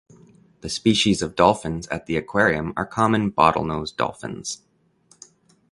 The species of dolphins at the aquarium are common bottlenose dolphins.